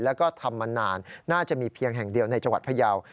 แล้วก็ทำมานานน่าจะมีเพียงแห่งเดียวในจังหวัดพยาว